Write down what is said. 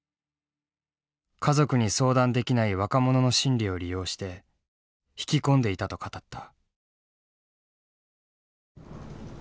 家族に相談できない若者の心理を利用して引き込んでいたと語った。